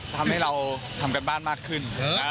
ทำให้เราทำการบ้านมากขึ้น